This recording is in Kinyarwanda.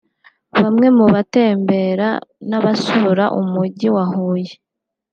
Bamwe mu batembera n’abasura umujyi wa Huye